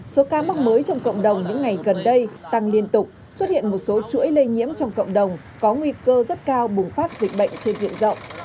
số ca mắc mới trong cộng đồng những ngày gần đây tăng liên tục xuất hiện một số chuỗi lây nhiễm trong cộng đồng có nguy cơ rất cao bùng phát dịch bệnh trên viện rộng